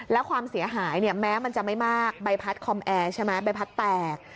แล้วความเสียหายเนี่ยแม้มันจะไม่มากใบพัดคอมแอร์ใช่ไหมใบพัดแตก